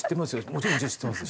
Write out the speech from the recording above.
もちろん知ってます